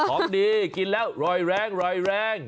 ของดีกินแล้วรอยแรงรอยแรง